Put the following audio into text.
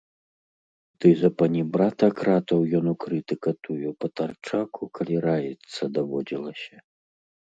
Ды запанібрата кратаў ён у крытыка тую патарчаку, калі раіцца даводзілася.